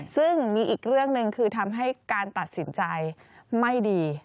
ซึ่งมีอีกเรื่องหนึ่งคือทำให้การตัดสินใจไม่ดี